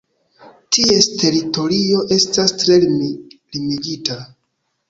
Ties teritorio esta tre limigita.